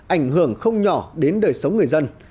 ảnh hưởng không nhỏ đến đời sống người dân